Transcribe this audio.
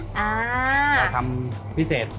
เราทำพิเศษ